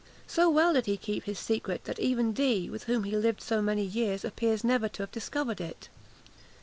So well did he keep his secret, that even Dee, with whom he lived so many years, appears never to have discovered it.